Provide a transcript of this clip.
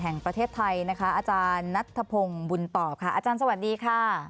อาจารย์นัทธพงษ์บุญตอบค่ะอาจารย์สวัสดีค่ะ